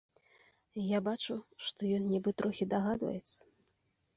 Я бачу, што ён нібы трохі дагадваецца.